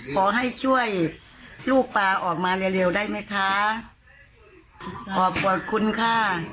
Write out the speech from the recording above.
ขอให้ช่วยลูกปลาออกมาเร็วได้ไหมคะ